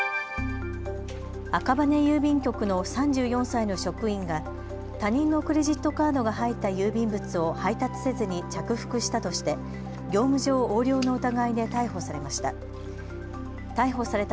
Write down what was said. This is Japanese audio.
赤羽郵便局の３４歳の職員が他人のクレジットカードが入った郵便物を配達せずに着服したとして業務上横領の疑いで逮捕されました。